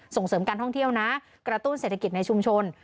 ส่งเสริมการท่องเที่ยวนะกระตุ้นเศรษฐกิจในชุมชน